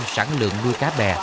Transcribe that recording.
bảy mươi sáu sản lượng nuôi cá bè